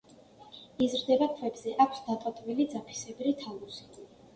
იზრდება ქვებზე, აქვს დატოტვილი ძაფისებრი თალუსი.